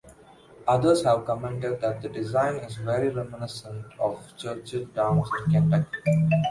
Others have commented that the design is very reminiscent of Churchill Downs in Kentucky.